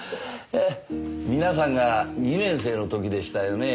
皆さんが２年生の時でしたよね。